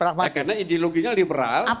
karena ideologinya liberal